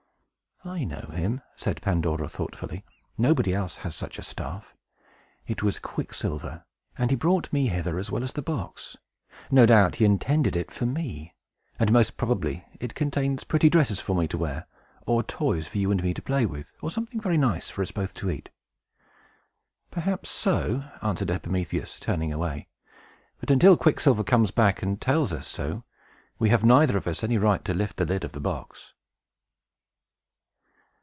"I know him," said Pandora, thoughtfully. "Nobody else has such a staff. It was Quicksilver; and he brought me hither, as well as the box. No doubt he intended it for me; and, most probably, it contains pretty dresses for me to wear, or toys for you and me to play with, or something very nice for us both to eat!" "Perhaps so," answered Epimetheus, turning away. "But until Quicksilver comes back and tells us so, we have neither of us any right to lift the lid of the box."